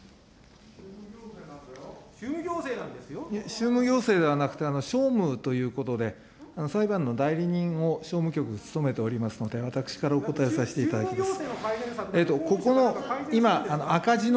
宗務行政ではなくて、しょうむということで、裁判の代理人をしょうむ局、務めておりますので、私からお答えさせていただきます。